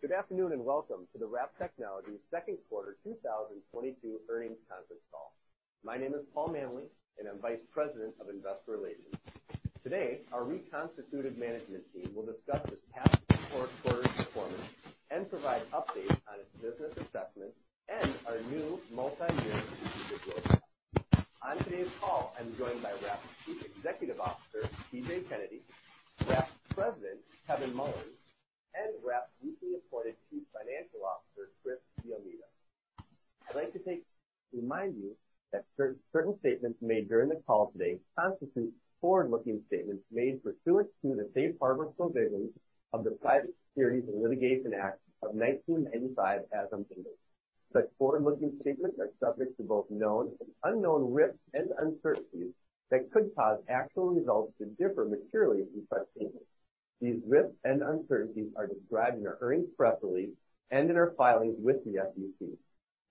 Good afternoon, and welcome to the Wrap Technologies Q2 2022 earnings conference call. My name is Paul Manley, and I'm Vice President of Investor Relations. Today, our reconstituted management team will discuss this past quarter's performance and provide updates on its business assessment and our new multi-year strategic roadmap. On today's call, I'm joined by Wrap's Chief Executive Officer, TJ Kennedy, Wrap's President, Kevin Mullins, and Wrap's recently appointed Chief Financial Officer, Chris DeAlmeida. I'd like to remind you that certain statements made during the call today constitute forward-looking statements made pursuant to the safe harbor provisions of the Private Securities Litigation Reform Act of 1995 as amended. Such forward-looking statements are subject to both known and unknown risks and uncertainties that could cause actual results to differ materially from such statements. These risks and uncertainties are described in our earnings press release and in our filings with the SEC.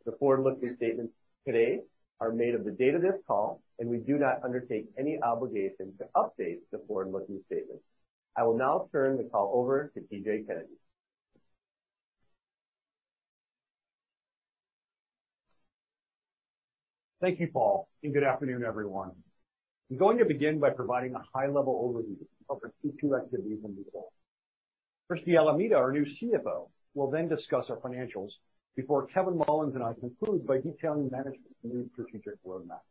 The forward-looking statements today are made as of the date of this call, and we do not undertake any obligation to update the forward-looking statements. I will now turn the call over to TJ Kennedy. Thank you, Paul, and good afternoon, everyone. I'm going to begin by providing a high-level overview of our Q2 activities and results. Chris DeAlmeida, our new CFO, will then discuss our financials before Kevin Mullins and I conclude by detailing management's new strategic roadmap.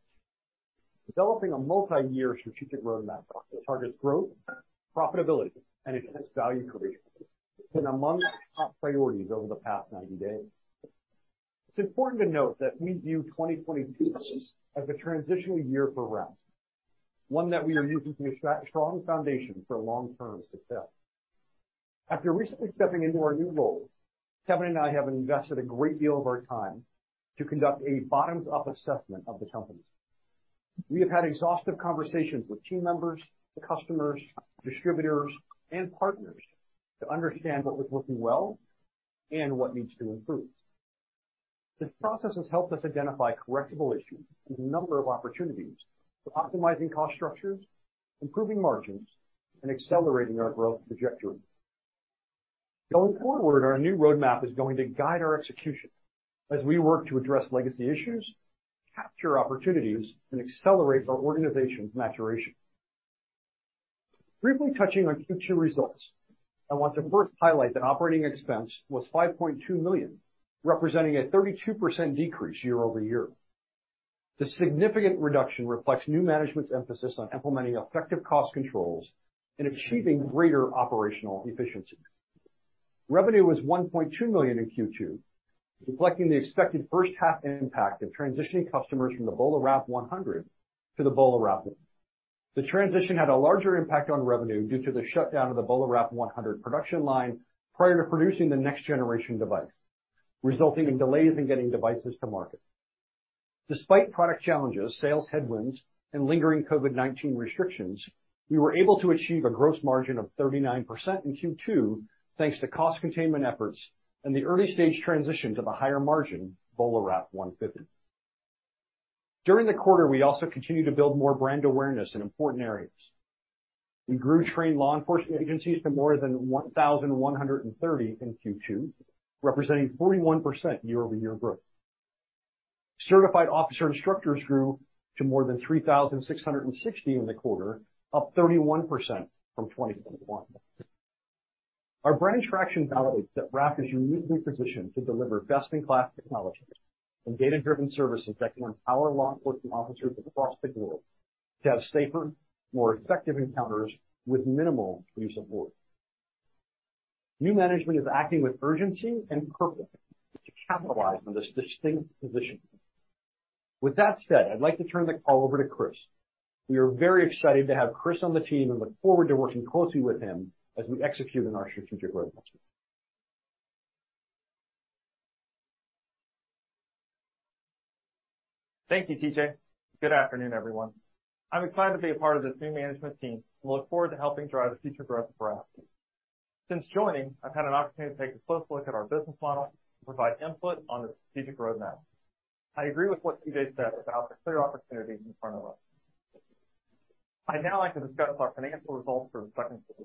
Developing a multi-year strategic roadmap that targets growth, profitability, and enhanced value creation has been among our top priorities over the past 90 days. It's important to note that we view 2022 as a transitional year for Wrap, one that we are using to establish strong foundation for long-term success. After recently stepping into our new roles, Kevin and I have invested a great deal of our time to conduct a bottoms-up assessment of the company. We have had exhaustive conversations with team members, customers, distributors, and partners to understand what was working well and what needs to improve. This process has helped us identify correctable issues and a number of opportunities for optimizing cost structures, improving margins, and accelerating our growth trajectory. Going forward, our new roadmap is going to guide our execution as we work to address legacy issues, capture opportunities, and accelerate our organization's maturation. Briefly touching on Q2 results, I want to first highlight that operating expense was $5.2 million, representing a 32% decrease year-over-year. The significant reduction reflects new management's emphasis on implementing effective cost controls and achieving greater operational efficiency. Revenue was $1.2 million in Q2, reflecting the expected first half impact of transitioning customers from the BolaWrap 100 to the BolaWrap 150. The transition had a larger impact on revenue due to the shutdown of the BolaWrap 100 production line prior to producing the next generation device, resulting in delays in getting devices to market. Despite product challenges, sales headwinds, and lingering COVID-19 restrictions, we were able to achieve a gross margin of 39% in Q2, thanks to cost containment efforts and the early-stage transition to the higher margin BolaWrap 150. During the quarter, we also continued to build more brand awareness in important areas. We grew trained law enforcement agencies to more than 1,130 in Q2, representing 41% year-over-year growth. Certified officer instructors grew to more than 3,660 in the quarter, up 31% from 2021. Our brand traction validates that Wrap is uniquely positioned to deliver best-in-class technologies and data-driven services that can empower law enforcement officers across the globe to have safer, more effective encounters with minimal use of force. New management is acting with urgency and purpose to capitalize on this distinct positioning. With that said, I'd like to turn the call over to Chris. We are very excited to have Chris on the team, and look forward to working closely with him as we execute on our strategic roadmaps. Thank you, TJ. Good afternoon, everyone. I'm excited to be a part of this new management team and look forward to helping drive the future growth of Wrap. Since joining, I've had an opportunity to take a close look at our business model and provide input on the strategic roadmap. I agree with what TJ said about the clear opportunities in front of us. I'd now like to discuss our financial results for the Q2.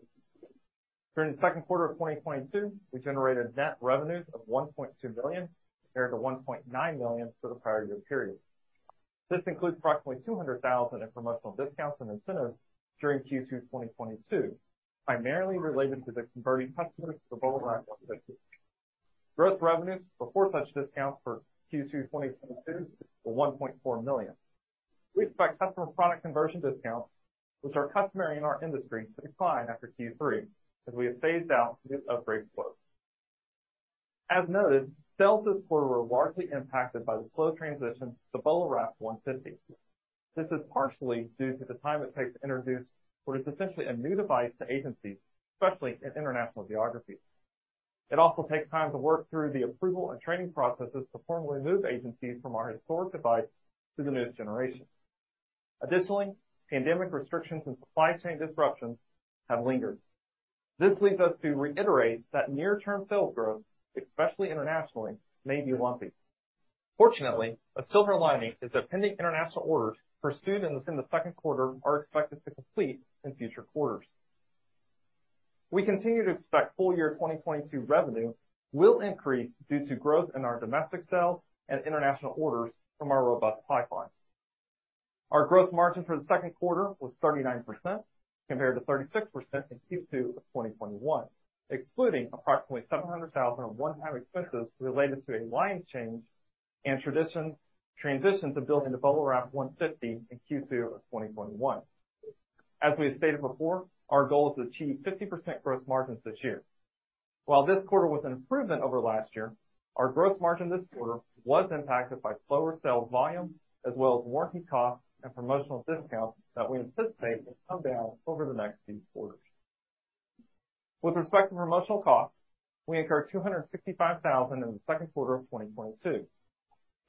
During the Q2 of 2022, we generated net revenues of $1.2 million compared to $1.9 million for the prior year period. This includes approximately $200,000 in promotional discounts and incentives during Q2 2022, primarily related to the converting customers to the BolaWrap 150. Gross revenues before such discounts for Q2 2022 were $1.4 million. We expect customer product conversion discounts, which are customary in our industry, to decline after Q3 as we have phased out new upgrade quotes. As noted, sales this quarter were largely impacted by the slow transition to the BolaWrap 150. This is partially due to the time it takes to introduce what is essentially a new device to agencies, especially in international geographies. It also takes time to work through the approval and training processes to formally move agencies from our historic device to the newest generation. Additionally, pandemic restrictions and supply chain disruptions have lingered. This leads us to reiterate that near-term sales growth, especially internationally, may be lumpy. Fortunately, a silver lining is that pending international orders pursued in the Q2 are expected to complete in future quarters. We continue to expect full year 2022 revenue will increase due to growth in our domestic sales and international orders from our robust pipeline. Our gross margin for the Q2 was 39% compared to 36% in Q2 of 2021, excluding approximately $700,000 of one-time expenses related to a line change and transition to building the BolaWrap 150 in Q2 of 2021. As we have stated before, our goal is to achieve 50% gross margins this year. While this quarter was an improvement over last year, our gross margin this quarter was impacted by slower sales volume as well as warranty costs and promotional discounts that we anticipate will come down over the next few quarters. With respect to promotional costs, we incurred $265,000 in the Q2 of 2022.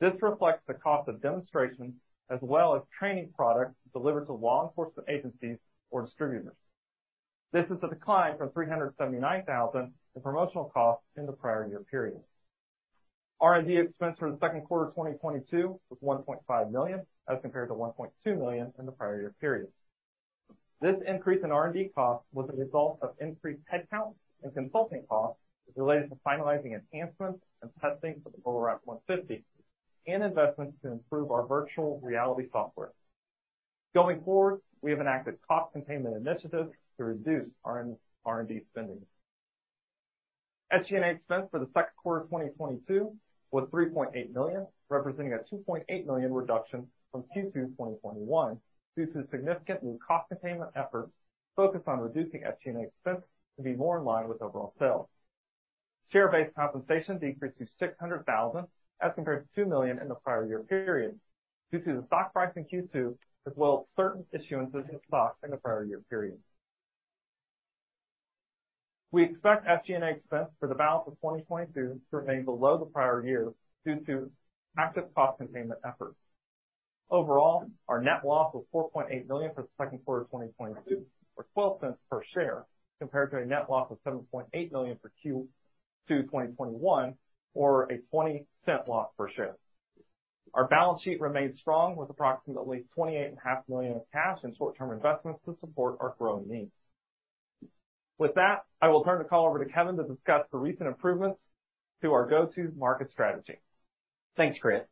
This reflects the cost of demonstrations as well as training products delivered to law enforcement agencies or distributors. This is a decline from $379,000 in promotional costs in the prior year period. R&D expense for the Q2 2022 was $1.5 million as compared to $1.2 million in the prior year period. This increase in R&D costs was a result of increased headcount and consulting costs related to finalizing enhancements and testing for the BolaWrap 150 and investments to improve our virtual reality software. Going forward, we have enacted cost containment initiatives to reduce R&D spending. SG&A expense for the Q2 2022 was $3.8 million, representing a $2.8 million reduction from Q2 2021 due to significant new cost containment efforts focused on reducing SG&A expense to be more in line with overall sales. Share-based compensation decreased to $600,000 as compared to $2 million in the prior year period due to the stock price in Q2 as well as certain issuances of stock in the prior year period. We expect SG&A expense for the balance of 2022 to remain below the prior year due to active cost containment efforts. Overall, our net loss was $4.8 million for the Q2 of 2022, or $0.12 per share, compared to a net loss of $7.8 million for Q2 2021, or a $0.20 loss per share. Our balance sheet remains strong with approximately $28.5 million of cash and short-term investments to support our growing needs. With that, I will turn the call over to Kevin to discuss the recent improvements to our go-to-market strategy. Thanks, Chris.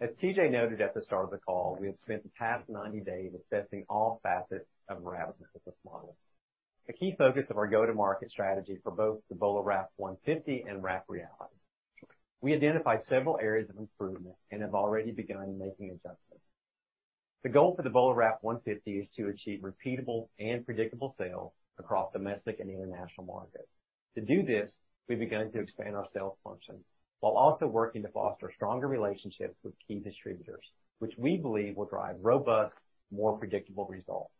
As TJ noted at the start of the call, we have spent the past 90 days assessing all facets of Wrap's business model. A key focus of our go-to-market strategy for both the BolaWrap 150 and Wrap Reality. We identified several areas of improvement and have already begun making adjustments. The goal for the BolaWrap 150 is to achieve repeatable and predictable sales across domestic and international markets. To do this, we've begun to expand our sales function while also working to foster stronger relationships with key distributors, which we believe will drive robust, more predictable results.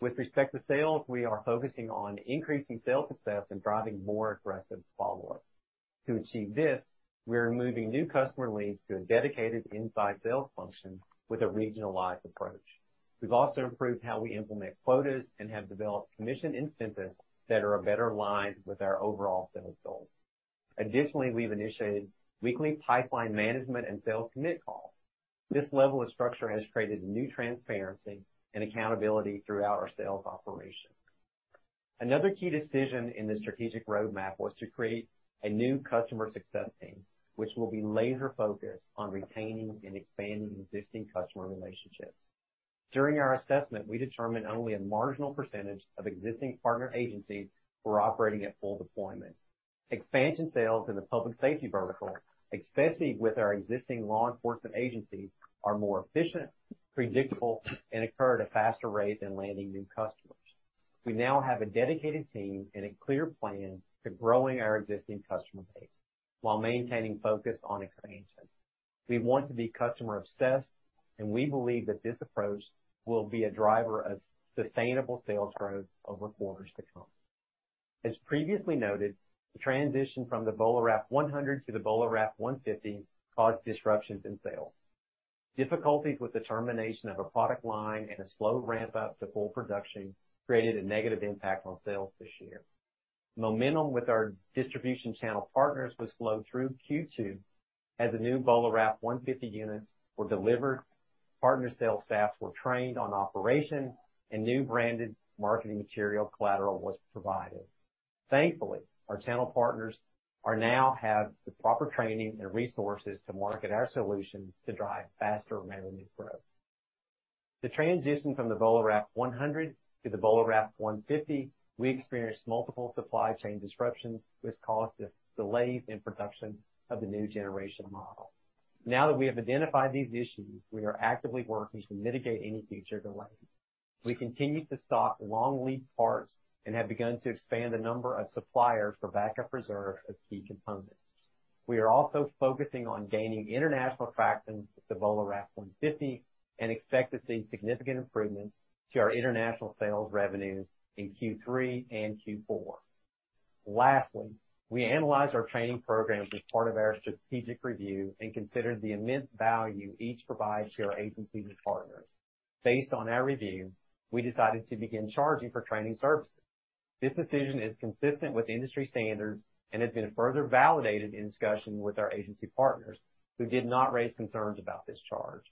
With respect to sales, we are focusing on increasing sales success and driving more aggressive follow-up. To achieve this, we are moving new customer leads to a dedicated inside sales function with a regionalized approach. We've also improved how we implement quotas and have developed commission incentives that are better aligned with our overall sales goals. Additionally, we've initiated weekly pipeline management and sales commit calls. This level of structure has created new transparency and accountability throughout our sales operations. Another key decision in the strategic roadmap was to create a new customer success team, which will be laser-focused on retaining and expanding existing customer relationships. During our assessment, we determined only a marginal percentage of existing partner agencies were operating at full deployment. Expansion sales in the public safety vertical, especially with our existing law enforcement agencies, are more efficient, predictable, and occur at a faster rate than landing new customers. We now have a dedicated team and a clear plan to growing our existing customer base while maintaining focus on expansion. We want to be customer obsessed, and we believe that this approach will be a driver of sustainable sales growth over quarters to come. As previously noted, the transition from the BolaWrap 100 to the BolaWrap 150 caused disruptions in sales. Difficulties with the termination of a product line and a slow ramp up to full production created a negative impact on sales this year. Momentum with our distribution channel partners was slow through Q2 as the new BolaWrap 150 units were delivered, partner sales staffs were trained on operation, and new branded marketing material collateral was provided. Thankfully, our channel partners now have the proper training and resources to market our solution to drive faster revenue growth. The transition from the BolaWrap 100 to the BolaWrap 150, we experienced multiple supply chain disruptions, which caused the delays in production of the new generation model. Now that we have identified these issues, we are actively working to mitigate any future delays. We continue to stock long lead parts and have begun to expand the number of suppliers for backup reserves of key components. We are also focusing on gaining international traction with the BolaWrap 150 and expect to see significant improvements to our international sales revenues in Q3 and Q4. Lastly, we analyzed our training programs as part of our strategic review and considered the immense value each provides to our agencies and partners. Based on our review, we decided to begin charging for training services. This decision is consistent with industry standards and has been further validated in discussion with our agency partners who did not raise concerns about this charge.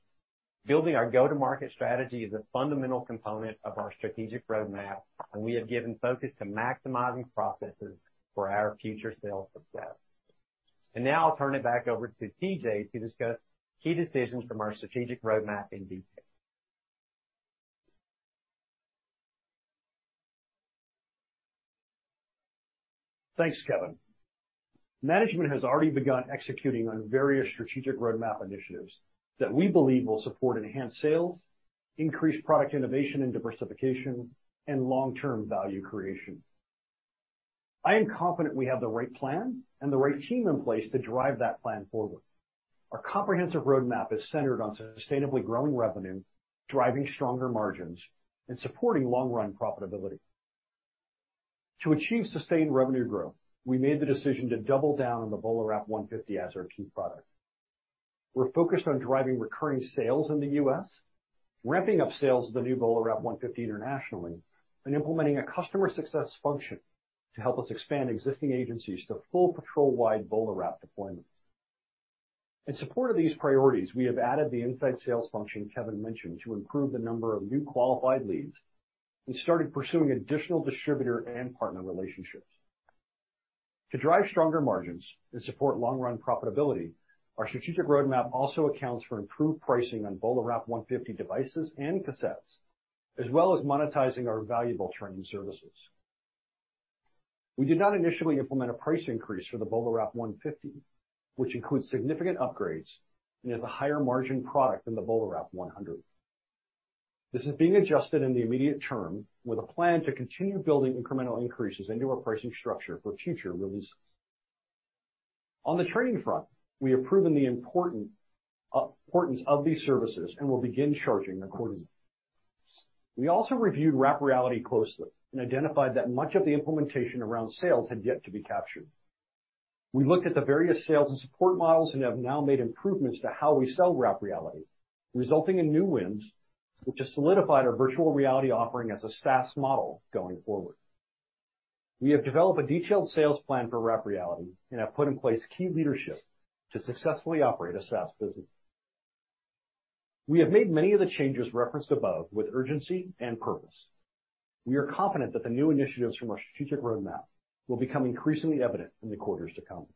Building our go-to-market strategy is a fundamental component of our strategic roadmap, and we have given focus to maximizing processes for our future sales success. Now I'll turn it back over to TJ to discuss key decisions from our strategic roadmap in detail. Thanks, Kevin. Management has already begun executing on various strategic roadmap initiatives that we believe will support enhanced sales, increase product innovation and diversification, and long-term value creation. I am confident we have the right plan and the right team in place to drive that plan forward. Our comprehensive roadmap is centered on sustainably growing revenue, driving stronger margins, and supporting long-run profitability. To achieve sustained revenue growth, we made the decision to double down on the BolaWrap 150 as our key product. We're focused on driving recurring sales in the U.S., ramping up sales of the new BolaWrap 150 internationally, and implementing a customer success function to help us expand existing agencies to full patrol-wide BolaWrap deployment. In support of these priorities, we have added the inside sales function Kevin mentioned to improve the number of new qualified leads. We started pursuing additional distributor and partner relationships. To drive stronger margins and support long run profitability, our strategic roadmap also accounts for improved pricing on BolaWrap 150 devices and cassettes, as well as monetizing our valuable training services. We did not initially implement a price increase for the BolaWrap 150, which includes significant upgrades and is a higher margin product than the BolaWrap 100. This is being adjusted in the immediate term with a plan to continue building incremental increases into our pricing structure for future releases. On the training front, we have proven the importance of these services and will begin charging accordingly. We also reviewed Wrap Reality closely and identified that much of the implementation around sales had yet to be captured. We looked at the various sales and support models and have now made improvements to how we sell Wrap Reality, resulting in new wins, which has solidified our virtual reality offering as a SaaS model going forward. We have developed a detailed sales plan for Wrap Reality and have put in place key leadership to successfully operate a SaaS business. We have made many of the changes referenced above with urgency and purpose. We are confident that the new initiatives from our strategic roadmap will become increasingly evident in the quarters to come.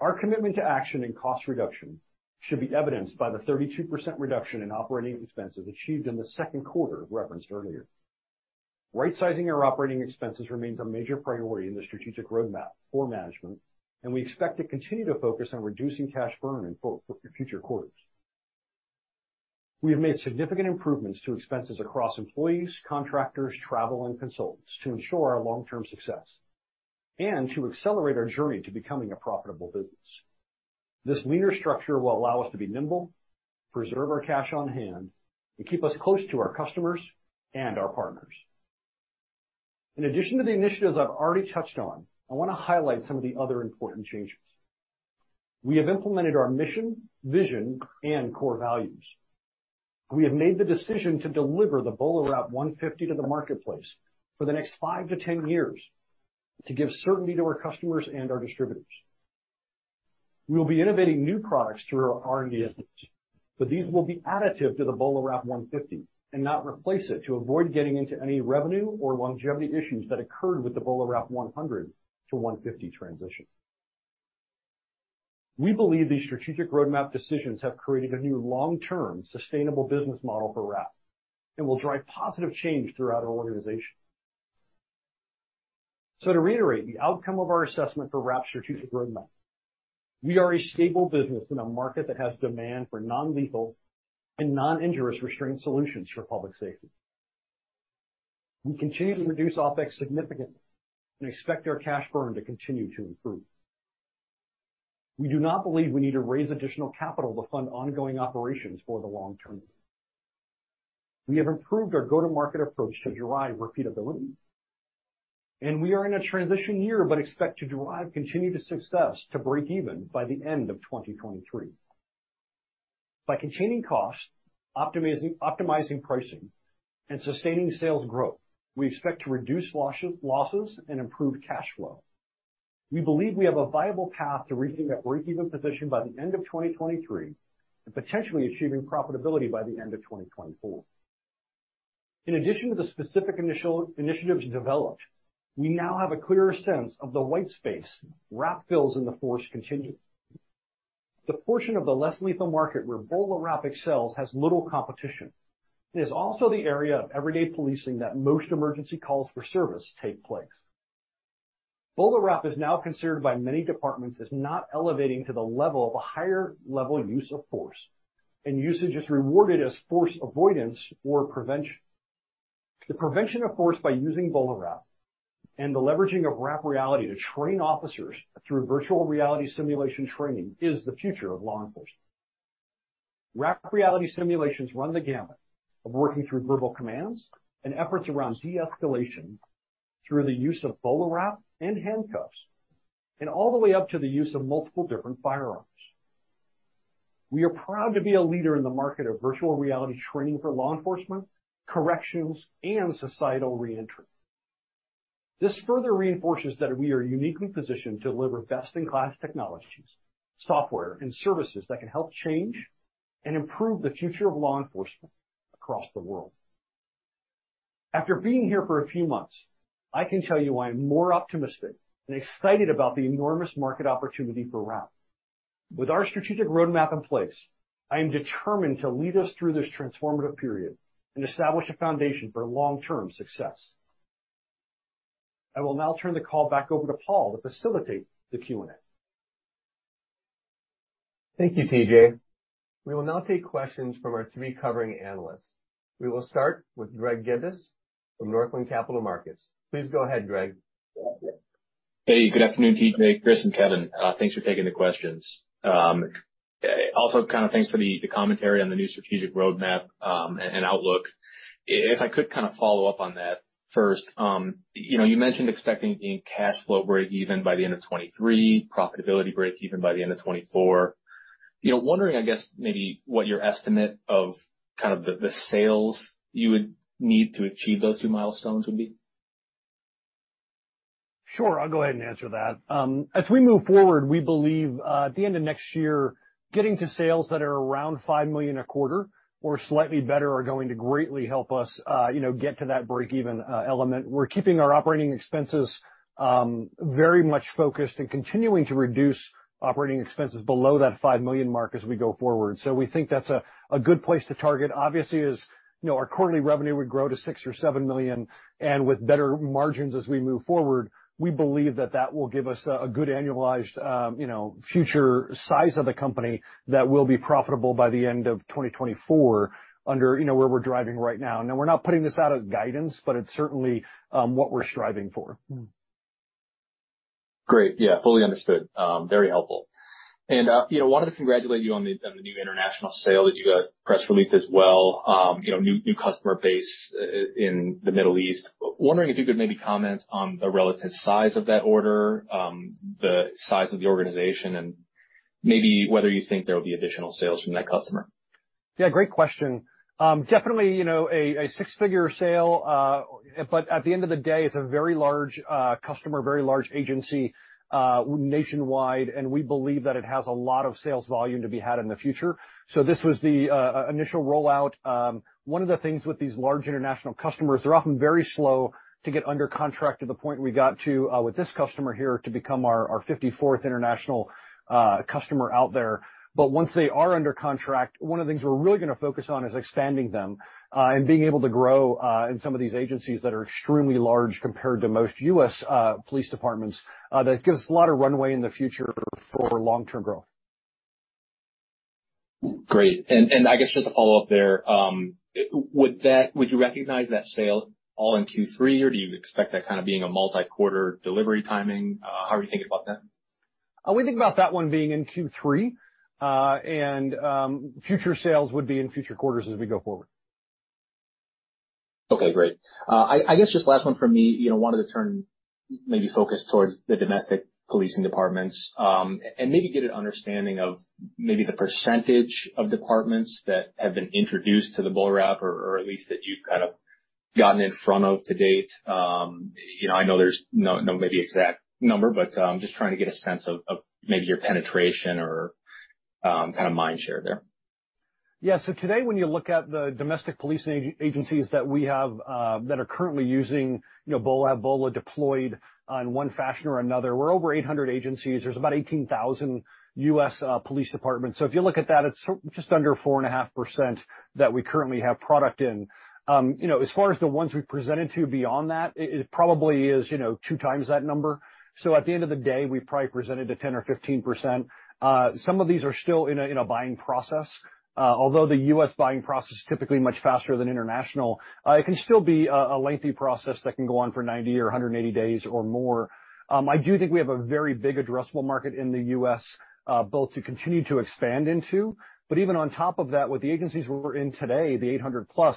Our commitment to action and cost reduction should be evidenced by the 32% reduction in operating expenses achieved in the Q2 referenced earlier. Right-sizing our operating expenses remains a major priority in the strategic roadmap for management, and we expect to continue to focus on reducing cash burn in future quarters. We have made significant improvements to expenses across employees, contractors, travel, and consultants to ensure our long-term success and to accelerate our journey to becoming a profitable business. This leaner structure will allow us to be nimble, preserve our cash on hand, and keep us close to our customers and our partners. In addition to the initiatives I've already touched on, I wanna highlight some of the other important changes. We have implemented our mission, vision, and core values. We have made the decision to deliver the BolaWrap 150 to the marketplace for the next five to 10 years to give certainty to our customers and our distributors. We will be innovating new products through our R&D efforts, but these will be additive to the BolaWrap 150 and not replace it to avoid getting into any revenue or longevity issues that occurred with the BolaWrap 100 to 150 transition. We believe these strategic roadmap decisions have created a new long-term sustainable business model for Wrap and will drive positive change throughout our organization. To reiterate the outcome of our assessment for Wrap strategic roadmap, we are a stable business in a market that has demand for non-lethal and non-injurious restraint solutions for public safety. We continue to reduce OpEx significantly and expect our cash burn to continue to improve. We do not believe we need to raise additional capital to fund ongoing operations for the long term. We have improved our go-to-market approach to derive repeatability, and we are in a transition year, but expect to derive continued success to break even by the end of 2023. By containing costs, optimizing pricing, and sustaining sales growth, we expect to reduce losses and improve cash flow. We believe we have a viable path to reaching a break-even position by the end of 2023 and potentially achieving profitability by the end of 2024. In addition to the specific initiatives developed, we now have a clearer sense of the white space Wrap fills in the force continuum. The portion of the less lethal market where BolaWrap excels has little competition. It is also the area of everyday policing that most emergency calls for service take place. BolaWrap is now considered by many departments as not elevating to the level of a higher level use of force, and usage is rewarded as force avoidance or prevention. The prevention of force by using BolaWrap and the leveraging of Wrap Reality to train officers through virtual reality simulation training is the future of law enforcement. Wrap Reality simulations run the gamut of working through verbal commands and efforts around de-escalation through the use of BolaWrap and handcuffs, and all the way up to the use of multiple different firearms. We are proud to be a leader in the market of virtual reality training for law enforcement, corrections, and societal re-entry. This further reinforces that we are uniquely positioned to deliver best in class technologies, software, and services that can help change and improve the future of law enforcement across the world. After being here for a few months, I can tell you I am more optimistic and excited about the enormous market opportunity for Wrap. With our strategic roadmap in place, I am determined to lead us through this transformative period and establish a foundation for long-term success. I will now turn the call back over to Paul to facilitate the Q&A. Thank you, TJ. We will now take questions from our three covering analysts. We will start with Greg Gibas from Northland Capital Markets. Please go ahead, Greg. Hey, good afternoon, TJ, Chris, and Kevin. Thanks for taking the questions. Also kind of thanks for the commentary on the new strategic roadmap and outlook. If I could kind of follow up on that first, you know, you mentioned expecting a cash flow breakeven by the end of 2023, profitability breakeven by the end of 2024. You know, wondering, I guess, maybe what your estimate of kind of the sales you would need to achieve those two milestones would be. Sure, I'll go ahead and answer that. As we move forward, we believe, at the end of next year, getting to sales that are around $5 million a quarter or slightly better are going to greatly help us, you know, get to that breakeven, element. We're keeping our operating expenses, very much focused and continuing to reduce operating expenses below that $5 million mark as we go forward. We think that's a good place to target. Obviously, as you know, our quarterly revenue would grow to $6-$7 million, and with better margins as we move forward, we believe that that will give us a good annualized, you know, future size of the company that will be profitable by the end of 2024 under, you know, where we're driving right now. Now we're not putting this out as guidance, but it's certainly what we're striving for. Great. Yeah, fully understood. Very helpful. Wanted to congratulate you on the new international sale that you got press released as well. New customer base in the Middle East. Wondering if you could maybe comment on the relative size of that order, the size of the organization, and maybe whether you think there will be additional sales from that customer. Yeah, great question. Definitely, you know, a six-figure sale, but at the end of the day, it's a very large customer, very large agency, nationwide, and we believe that it has a lot of sales volume to be had in the future. This was the initial rollout. One of the things with these large international customers, they're often very slow to get under contract to the point we got to with this customer here to become our fifty-fourth international customer out there. Once they are under contract, one of the things we're really gonna focus on is expanding them and being able to grow in some of these agencies that are extremely large compared to most U.S. police departments that gives a lot of runway in the future for long-term growth. Great. I guess just to follow up there, would you recognize that sale all in Q3, or do you expect that kind of being a multi-quarter delivery timing? How are you thinking about that? We think about that one being in Q3, and future sales would be in future quarters as we go forward. Okay, great. I guess just last one from me, you know, wanted to turn maybe focus towards the domestic policing departments, and maybe get an understanding of maybe the percentage of departments that have been introduced to the BolaWrap or at least that you've kind of gotten in front of to date. You know, I know there's no maybe exact number, but, just trying to get a sense of maybe your penetration or, kind of mind share there. Yeah. Today, when you look at the domestic policing agencies that we have that are currently using, you know, Bola, have Bola deployed in one fashion or another, we're over 800 agencies. There's about 18,000 U.S. police departments. If you look at that, it's just under 4.5% that we currently have product in. You know, as far as the ones we presented to beyond that, it probably is, you know, two times that number. At the end of the day, we've probably presented to 10% or 15%. Some of these are still in a buying process, although the U.S. buying process is typically much faster than international, it can still be a lengthy process that can go on for 90 or 180 days or more. I do think we have a very big addressable market in the U.S., both to continue to expand into, but even on top of that, with the agencies we're in today, the 800+,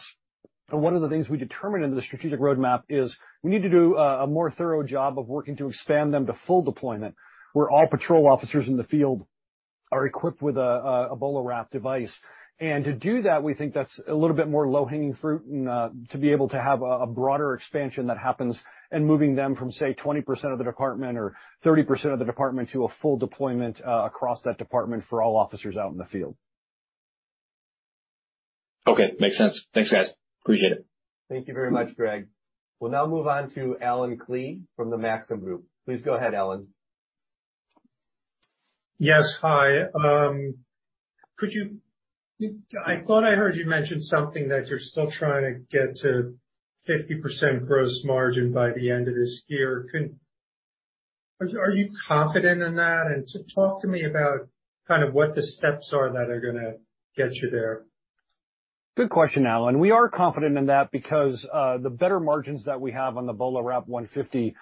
one of the things we determined in the strategic roadmap is we need to do a more thorough job of working to expand them to full deployment, where all patrol officers in the field are equipped with a BolaWrap device. To do that, we think that's a little bit more low-hanging fruit and to be able to have a broader expansion that happens and moving them from, say, 20% of the department or 30% of the department to a full deployment, across that department for all officers out in the field. Okay. Makes sense. Thanks, guys. Appreciate it. Thank you very much, Greg. We'll now move on to Allen Klee from the Maxim Group. Please go ahead, Allen. Yes. Hi. I thought I heard you mention something that you're still trying to get to 50% gross margin by the end of this year. Are you confident in that? Talk to me about kind of what the steps are that are gonna get you there. Good question, Allen. We are confident in that because the better margins that we have on the BolaWrap 150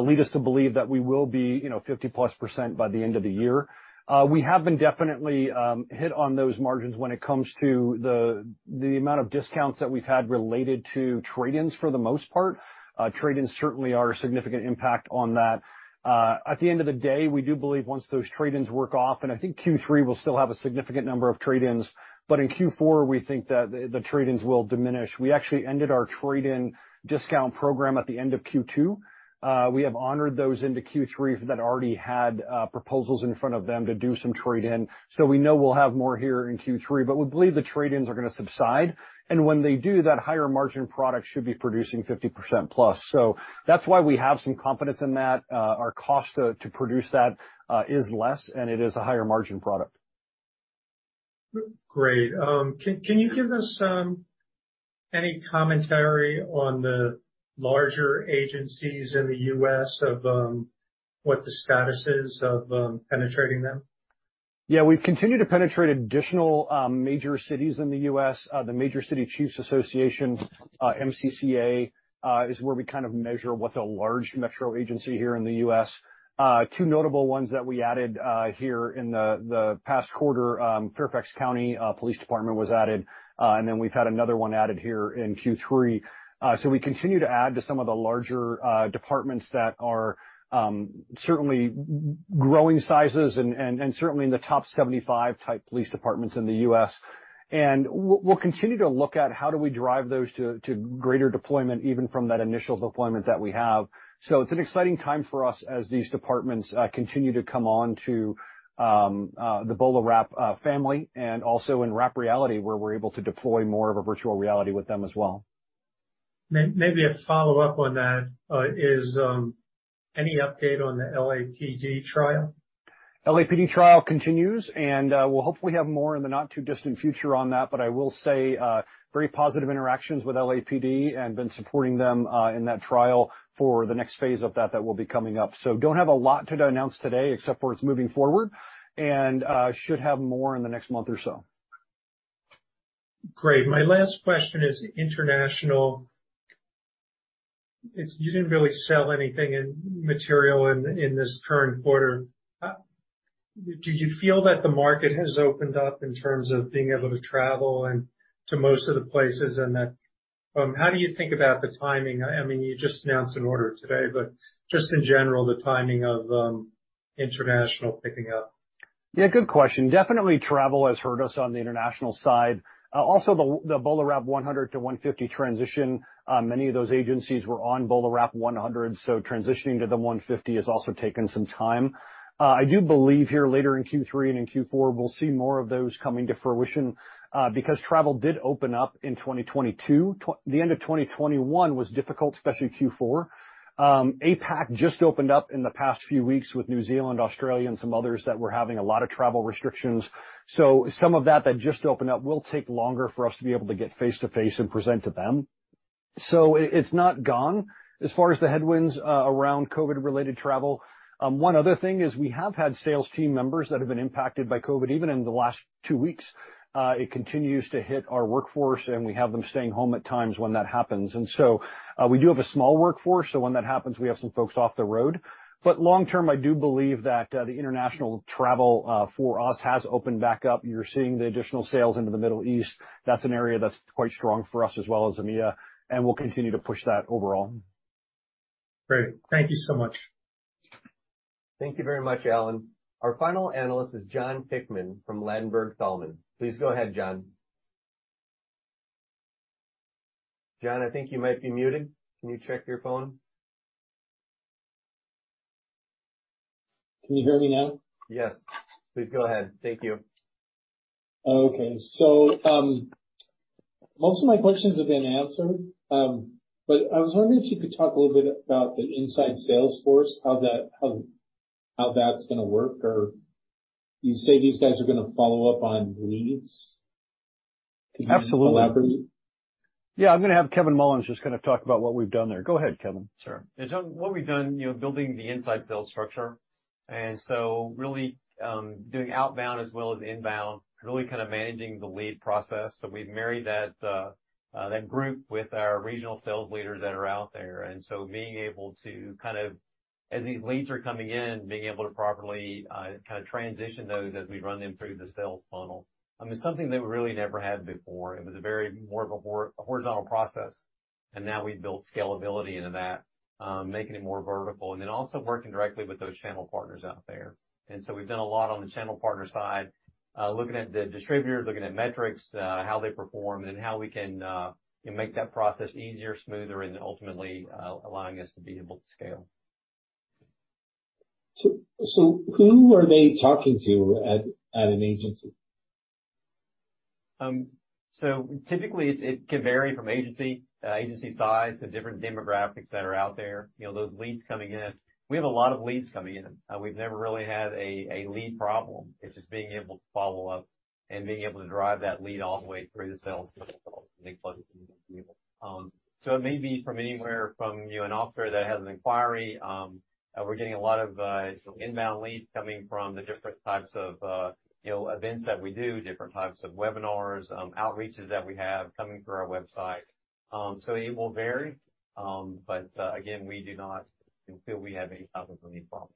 lead us to believe that we will be, you know, 50%+ by the end of the year. We have been definitely hit on those margins when it comes to the amount of discounts that we've had related to trade-ins for the most part. Trade-ins certainly are a significant impact on that. At the end of the day, we do believe once those trade-ins work off, and I think Q3 will still have a significant number of trade-ins, but in Q4, we think that the trade-ins will diminish. We actually ended our trade-in discount program at the end of Q2. We have honored those into Q3 that already had proposals in front of them to do some trade-in, so we know we'll have more here in Q3, but we believe the trade-ins are gonna subside. When they do, that higher margin product should be producing 50%+. That's why we have some confidence in that. Our cost to produce that is less, and it is a higher margin product. Great. Can you give us any commentary on the larger agencies in the U.S. of what the status is of penetrating them? Yeah. We've continued to penetrate additional major cities in the U.S. The Major Cities Chiefs Association, MCCA, is where we kind of measure what's a large metro agency here in the U.S. Two notable ones that we added here in the past quarter, Fairfax County Police Department was added, and then we've had another one added here in Q3. We continue to add to some of the larger departments that are certainly growing sizes and certainly in the top 75 type police departments in the U.S. We'll continue to look at how do we drive those to greater deployment, even from that initial deployment that we have. It's an exciting time for us as these departments continue to come on to the BolaWrap family and also in Wrap Reality, where we're able to deploy more of a virtual reality with them as well. Maybe a follow-up on that. Is any update on the LAPD trial? LAPD trial continues, and we'll hopefully have more in the not too distant future on that, but I will say very positive interactions with LAPD and been supporting them in that trial for the next phase of that that will be coming up. Don't have a lot to announce today, except for it's moving forward and should have more in the next month or so. Great. My last question is international. It's. You didn't really sell anything material in this current quarter. Do you feel that the market has opened up in terms of being able to travel and to most of the places and that. How do you think about the timing? I mean, you just announced an order today, but just in general, the timing of international picking up. Yeah, good question. Definitely travel has hurt us on the international side. Also the BolaWrap 100 to 150 transition, many of those agencies were on BolaWrap 100, so transitioning to the 150 has also taken some time. I do believe here later in Q3 and in Q4, we'll see more of those coming to fruition, because travel did open up in 2022. The end of 2021 was difficult, especially Q4. APAC just opened up in the past few weeks with New Zealand, Australia, and some others that were having a lot of travel restrictions. Some of that just opened up will take longer for us to be able to get face-to-face and present to them. It's not gone as far as the headwinds around COVID-related travel. One other thing is we have had sales team members that have been impacted by COVID, even in the last two weeks. It continues to hit our workforce, and we have them staying home at times when that happens. We do have a small workforce, so when that happens, we have some folks off the road. Long term, I do believe that the international travel for us has opened back up. You're seeing the additional sales into the Middle East. That's an area that's quite strong for us as well as EMEA, and we'll continue to push that overall. Great. Thank you so much. Thank you very much, Allen. Our final analyst is Jon Hickman from Ladenburg Thalmann. Please go ahead, Jon. Jon, I think you might be muted. Can you check your phone? Can you hear me now? Yes. Please go ahead. Thank you. Okay. Most of my questions have been answered. I was wondering if you could talk a little bit about the inside sales force, how that's gonna work or you say these guys are gonna follow up on leads. Can you elaborate? Absolutely. Yeah. I'm gonna have Kevin Mullins just kind of talk about what we've done there. Go ahead, Kevin. Sure. John, what we've done, you know, building the inside sales structure, and so really doing outbound as well as inbound, really kind of managing the lead process. We've married that group with our regional sales leaders that are out there. Being able to kind of, as these leads are coming in, being able to properly kind of transition those as we run them through the sales funnel. I mean, something that we really never had before. It was very much more of a horizontal process. Now we've built scalability into that, making it more vertical, and then also working directly with those channel partners out there. We've done a lot on the channel partner side, looking at the distributors, looking at metrics, how they perform and how we can, you know, make that process easier, smoother, and ultimately, allowing us to be able to scale. Who are they talking to at an agency? Typically it's, it can vary from agency size to different demographics that are out there. You know, those leads coming in. We have a lot of leads coming in. We've never really had a lead problem. It's just being able to follow up and being able to drive that lead all the way through the sales funnel. It may be from anywhere from, you know, an officer that has an inquiry. We're getting a lot of, some inbound leads coming from the different types of, you know, events that we do, different types of webinars, outreaches that we have coming through our website. It will vary. Again, we do not feel we have any type of lead problem.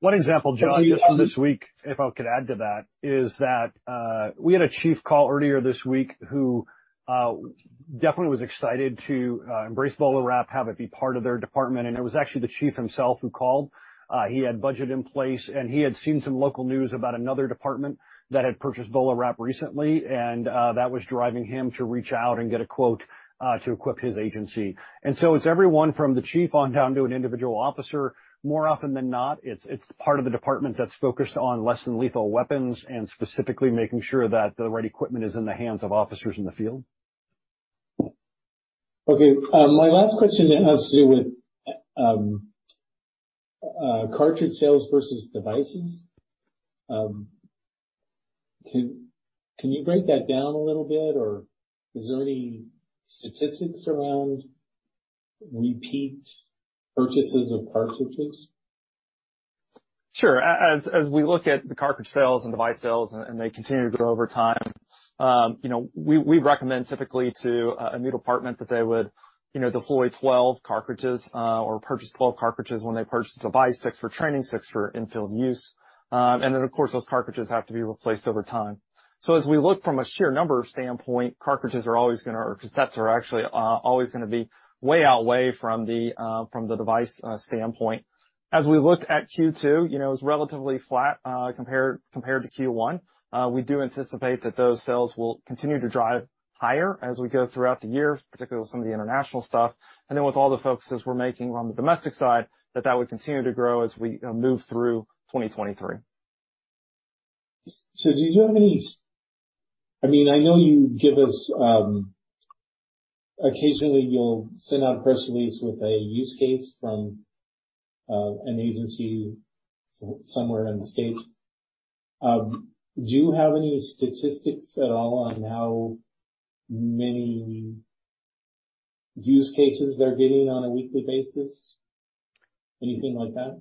One example, Jon, just this week, if I could add to that, is that we had a chief call earlier this week who definitely was excited to embrace BolaWrap, have it be part of their department. It was actually the chief himself who called. He had budget in place, and he had seen some local news about another department that had purchased BolaWrap recently, and that was driving him to reach out and get a quote to equip his agency. It's everyone from the chief on down to an individual officer. More often than not, it's part of the department that's focused on less than lethal weapons and specifically making sure that the right equipment is in the hands of officers in the field. Okay. My last question has to do with cartridge sales versus devices. Can you break that down a little bit, or is there any statistics around repeat purchases of cartridges? Sure. As we look at the cartridge sales and device sales, and they continue to grow over time, you know, we recommend typically to a new department that they would, you know, deploy 12 cartridges or purchase 12 cartridges when they purchase device, 6 for training, 6 for in-field use. Of course, those cartridges have to be replaced over time. As we look from a sheer number standpoint, cartridges are actually always gonna be way outweigh from the device standpoint. As we looked at Q2, you know, it was relatively flat compared to Q1. We do anticipate that those sales will continue to drive higher as we go throughout the year, particularly with some of the international stuff, and then with all the focuses we're making on the domestic side, that would continue to grow as we, you know, move through 2023. Do you have any? I mean, I know you give us occasionally you'll send out a press release with a use case from an agency somewhere in the States. Do you have any statistics at all on how many use cases they're getting on a weekly basis? Anything like that?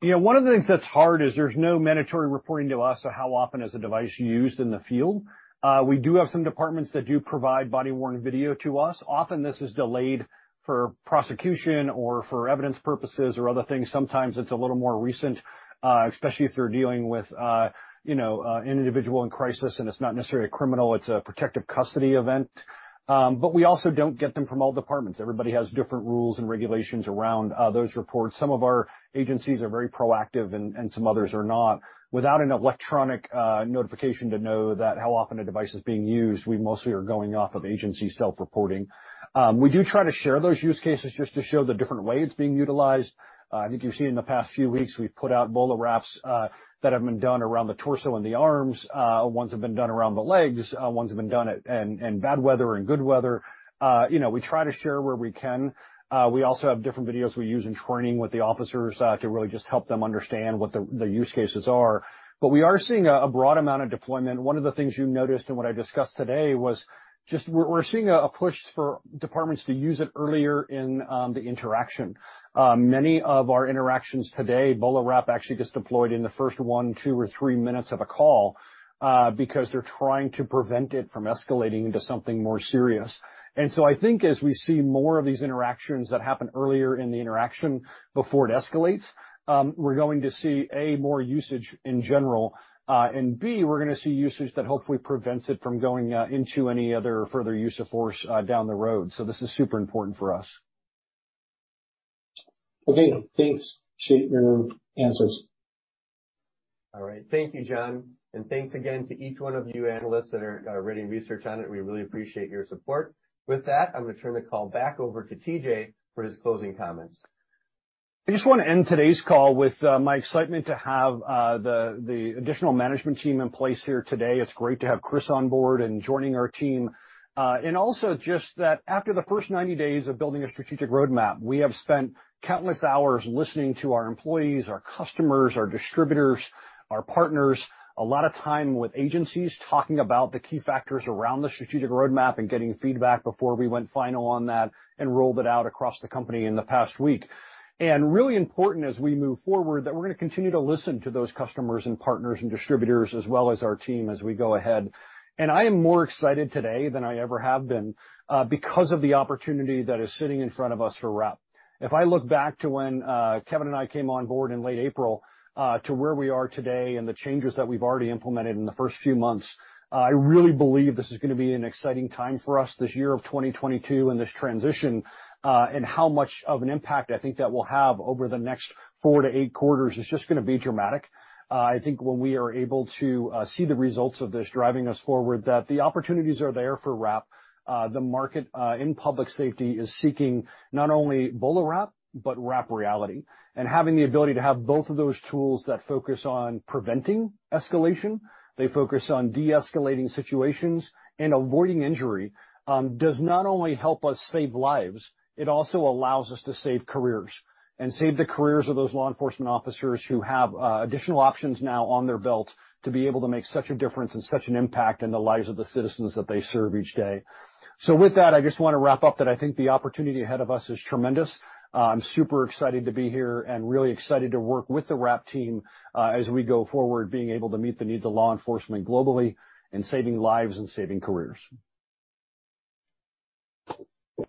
Yeah. One of the things that's hard is there's no mandatory reporting to us on how often is a device used in the field. We do have some departments that do provide body-worn video to us. Often this is delayed for prosecution or for evidence purposes or other things. Sometimes it's a little more recent, especially if they're dealing with, you know, an individual in crisis, and it's not necessarily a criminal, it's a protective custody event. We also don't get them from all departments. Everybody has different rules and regulations around those reports. Some of our agencies are very proactive and some others are not. Without an electronic notification to know that how often a device is being used, we mostly are going off of agency self-reporting. We do try to share those use cases just to show the different way it's being utilized. I think you've seen in the past few weeks, we've put out BolaWraps that have been done around the torso and the arms, ones have been done around the legs, ones have been done in bad weather and good weather. You know, we try to share where we can. We also have different videos we use in training with the officers to really just help them understand what the use cases are. We are seeing a broad amount of deployment. One of the things you noticed and what I discussed today was just we're seeing a push for departments to use it earlier in the interaction. Many of our interactions today, BolaWrap actually gets deployed in the first 1, 2, or 3 minutes of a call, because they're trying to prevent it from escalating into something more serious. I think as we see more of these interactions that happen earlier in the interaction before it escalates, we're going to see, A, more usage in general, and B, we're gonna see usage that hopefully prevents it from going into any other further use of force down the road. This is super important for us. Okay. Thanks. Appreciate your answers. All right. Thank you, Jon. Thanks again to each one of you analysts that are writing research on it. We really appreciate your support. With that, I'm gonna turn the call back over to TJ for his closing comments. I just wanna end today's call with my excitement to have the additional management team in place here today. It's great to have Chris on board and joining our team. Also just that after the first 90 days of building a strategic roadmap, we have spent countless hours listening to our employees, our customers, our distributors, our partners. A lot of time with agencies talking about the key factors around the strategic roadmap and getting feedback before we went final on that and rolled it out across the company in the past week. Really important as we move forward, that we're gonna continue to listen to those customers and partners and distributors as well as our team as we go ahead. I am more excited today than I ever have been, because of the opportunity that is sitting in front of us for Wrap. If I look back to when Kevin and I came on board in late April, to where we are today and the changes that we've already implemented in the first few months, I really believe this is gonna be an exciting time for us this year of 2022 and this transition, and how much of an impact I think that will have over the next four to eight quarters is just gonna be dramatic. I think when we are able to see the results of this driving us forward, that the opportunities are there for Wrap. The market in public safety is seeking not only BolaWrap, but Wrap Reality. Having the ability to have both of those tools that focus on preventing escalation, they focus on de-escalating situations and avoiding injury, does not only help us save lives, it also allows us to save careers and save the careers of those law enforcement officers who have additional options now on their belt to be able to make such a difference and such an impact in the lives of the citizens that they serve each day. With that, I just wanna wrap up that I think the opportunity ahead of us is tremendous. I'm super excited to be here and really excited to work with the Wrap team, as we go forward, being able to meet the needs of law enforcement globally and saving lives and saving careers.